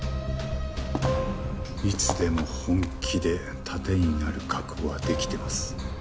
いつでも本気で盾になる覚悟はできてます。